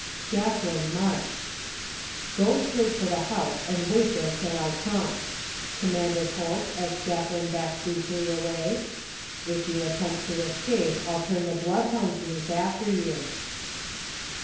Scathlin marched. " Go straight to the house and wait there till I come," commanded Holt as Scathlin backed weakly away. "If you attempt to escape Til turn the bloodhounds loose after you."